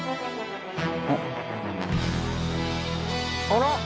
あら！